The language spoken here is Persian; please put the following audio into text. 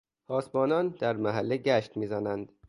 پاسبانان در محله گشت میزنند.